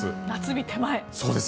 夏日手前。